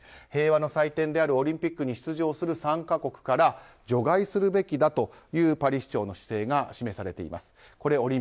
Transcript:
平和の祭典であるオリンピックに出場する参加国から除外すべきだというパリ市長の姿勢が示されています。